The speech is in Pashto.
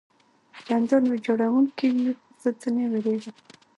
چندان ویجاړوونکي وي، خو زه ځنې وېرېږم.